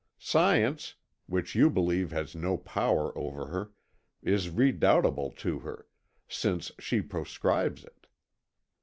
Science, which you believe has no power over her, is redoubtable to her, since she proscribes it.